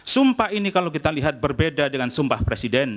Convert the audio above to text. sumpah ini kalau kita lihat berbeda dengan sumpah presiden